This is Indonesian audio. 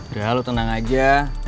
udah lo tenang aja